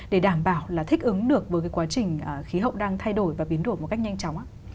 đảm bảo là thích ứng được với cái quá trình khí hậu đang thay đổi và biến đổi một cách nhanh chóng á